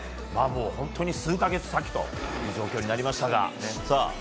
本当に数か月先という状況になりましたが。